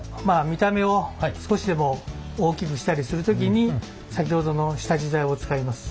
見た目を少しでも大きくしたりする時に先ほどの下地材を使います。